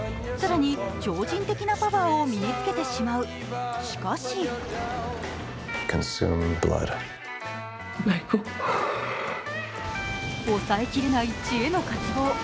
更に超人的なパワーを身に着けてしまう、しかし抑えきれない血への渇望。